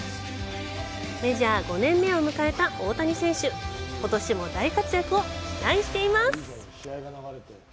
メジャー５年目を迎えた大谷選手、ことしも大活躍を期待しています！